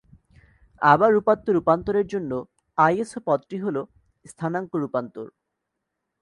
আবার উপাত্ত রূপান্তরের জন্য আইএসও পদটি হল "স্থানাঙ্ক রূপান্তর"।